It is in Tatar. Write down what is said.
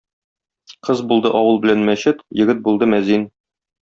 Кыз булды авыл белән мәчет, егет булды мәзин.